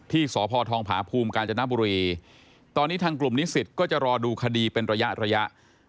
ที่สธภภูมิกาจนบุรีตอนนี้ทางกลุ่มนิสิทธิ์ก็จะรอดูคดีเป็นระยะ